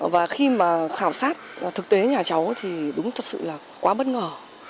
và khi mà khảo sát thực tế nhà cháu thì đúng thật sự là quá bất ngờ